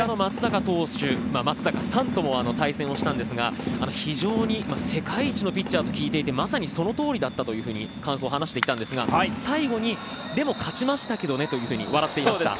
松坂さんとも対戦をしたんですが非常に世界一のピッチャーと聞いていてまさにそのとおりだったと感想を話していたんですが最後に、でも勝ちましたけどねと笑っていました。